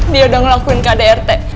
dia udah ngelakuin kdrt